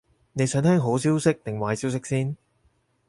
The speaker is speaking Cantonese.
你想聽好消息定壞消息先？